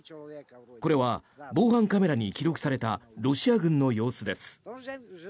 これは、防犯カメラに記録されたロシア軍の様子です。